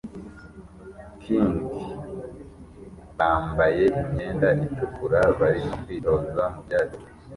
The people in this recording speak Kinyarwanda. kingbambaye imyenda itukura barimo kwitoza mubyatsi